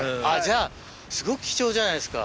じゃあすごく貴重じゃないですか。